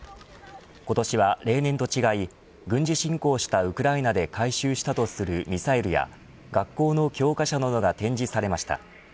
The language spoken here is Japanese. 今年は例年と違い軍事侵攻したウクライナで回収したとするミサイルや学校の教科書などが展示されました。